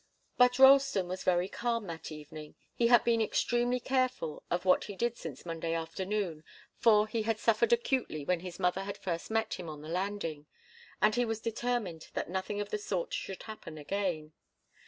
But Ralston was very calm that evening. He had been extremely careful of what he did since Monday afternoon, for he had suffered acutely when his mother had first met him on the landing, and he was determined that nothing of the sort should happen again.